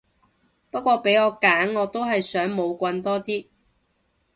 不過俾我揀我都係想冇棍多啲